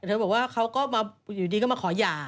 เธอบอกว่าเขาก็มาอยู่ดีก็มาขอหย่า